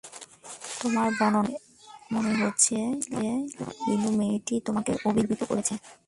তোমার বর্ণনা থেকেই মনে হচ্ছিল, বিনু মেয়েটি তোমাকে অভিভূত করেছে।